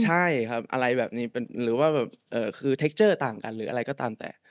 ใช่ครับอะไรแบบนี้หรือว่าแบบคือเทคเจอร์ต่างกันหรืออะไรก็ตามแต่